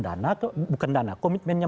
dana bukan dana komitmennya